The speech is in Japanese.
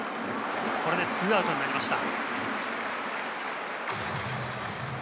これで２アウトになりました。